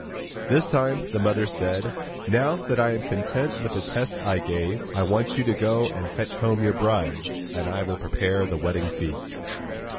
This time the mother said: 'Now that I am content with the tests I gave, I want you to go and fetch home your brides, and I will prepare the wedding feast.